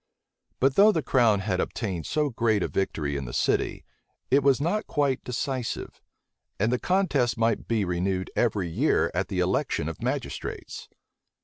{1683.} But though the crown had obtained so great a victory in the city, it was not quite decisive; and the contest might be renewed every year at the election of magistrates.